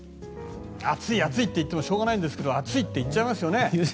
暑い、暑いって言ってもしょうがないんですけど暑いって言っちゃいますよね。